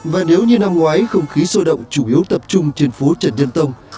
và nếu như năm ngoái không khí sôi động chủ yếu tập trung trên phố trần nhân tông